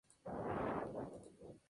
Es descendiente de nativo y afroamericano.